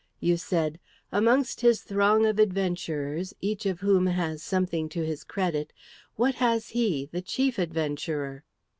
You said, 'Amongst his throng of adventurers, each of whom has something to his credit, what has he, the chief adventurer?'"